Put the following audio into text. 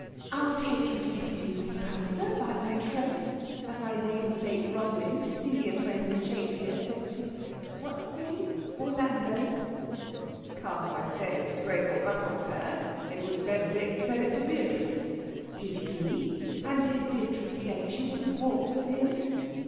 "I'll take you for pity, Mr. Palliser 'by my troth,' as my namesake Rosalind, Celia's friend, in Shakespeare, says to what's his name ... Orlando...." "Come, I say, Miss Graythorpe, that's not fair. It was Benedict said it to Beatrice." "Did he? And did Beatrice say she wouldn't waltz with him?"